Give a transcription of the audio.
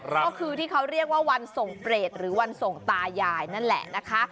ก็คือที่เขาเรียกว่าวันส่งเปรตหรือวันส่งตายายนั่นแหละนะคะ